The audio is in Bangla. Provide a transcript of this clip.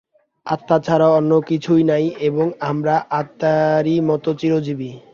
আত্মা ছাড়া অন্য কিছুই নাই এবং আমরা আত্মারই মত চিরজীবী।